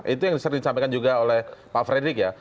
itu yang sering disampaikan juga oleh pak fredrik ya